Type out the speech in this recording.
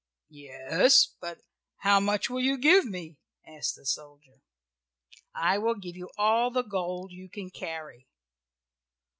"Yes, but how much will you give me?" asked the soldier. "I will give you all the gold you can carry."